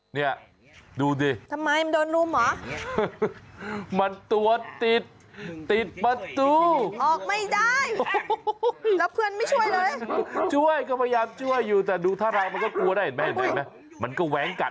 เนี่ยดูสิมันตัวติดประตูออกไม่ได้แล้วเพื่อนไม่ช่วยเลยช่วยก็พยายามช่วยอยู่แต่ดูทะเลมันก็กลัวได้เห็นไหมมันก็แว้งกัด